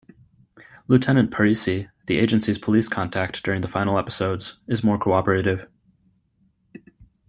Lieutenant Parisi, the agency's police contact during the final episodes, is more cooperative.